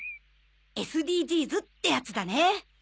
ＳＤＧｓってやつだね。